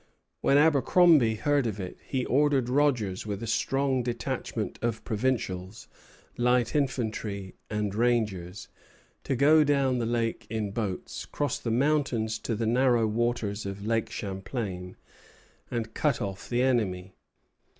When Abercromby heard of it, he ordered Rogers, with a strong detachment of provincials, light infantry, and rangers, to go down the lake in boats, cross the mountains to the narrow waters of Lake Champlain, and cut off the enemy.